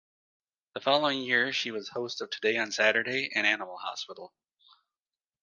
The following year she was host of "Today on Saturday" and "Animal Hospital".